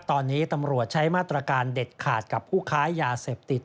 ตอนนี้ตำรวจใช้มาตรการเด็ดขาดกับผู้ค้ายาเสพติด